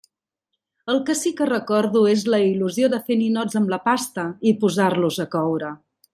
El que sí que recordo és la il·lusió de fer ninots amb la pasta i posar-los a coure.